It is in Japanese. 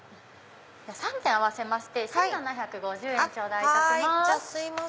３点合わせまして１７５０円頂戴いたします。